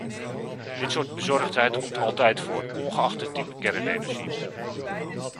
Dit soort bezorgdheid komt altijd voor, ongeacht het type kernenergie.